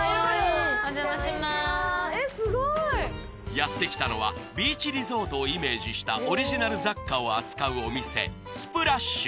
やって来たのはビーチリゾートをイメージしたオリジナル雑貨を扱うお店ＳＰＬＡＳＨ